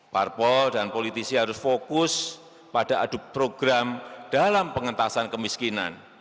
parpol dan politisi harus fokus pada adu program dalam pengentasan kemiskinan